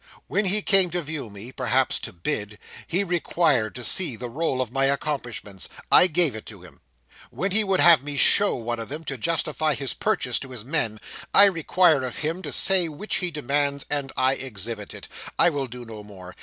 When he came to view me—perhaps to bid—he required to see the roll of my accomplishments. I gave it to him. When he would have me show one of them, to justify his purchase to his men, I require of him to say which he demands, and I exhibit it. I will do no more.